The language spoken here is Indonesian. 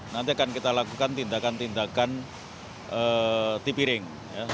nanti akan kita lakukan tindakan tindakan di piring